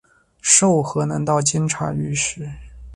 授河南道监察御史。